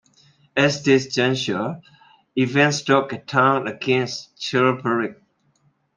At this juncture, events took a turn against Chilperic.